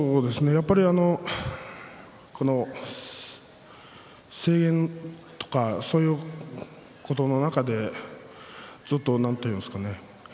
やっぱり制限とかそういうことの中でなんていうんですかね